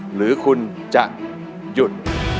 หรือคุณจะหยุด